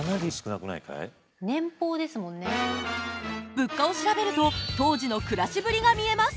物価を調べると当時の暮らしぶりが見えます。